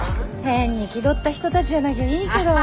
変に気取った人たちじゃなきゃいいけど。